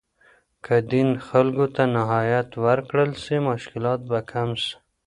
که دین خلګو ته نهایت ورکړل سي، مشکلات به کم سي.